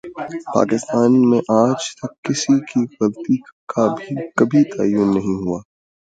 پاکستان میں آج تک کسی کی غلطی کا کبھی تعین نہیں ہوا